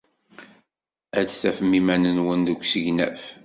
Ad d-tafem iman-nwen deg usegnaf.